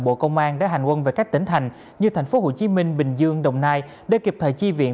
bộ công an đã hành quân về các tỉnh thành như tp hcm bình dương đồng nai để kịp thời chi viện